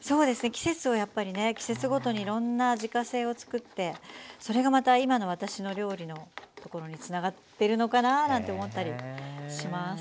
季節をやっぱりね季節ごとにいろんな自家製を作ってそれがまた今の私の料理のところにつながってるのかななんて思ったりします。